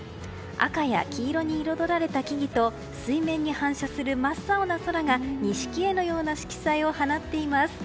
赤や黄色に彩られた木々と水面に反射する真っ青な空が錦絵のような色彩を放っています。